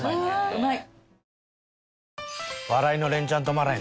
うまい。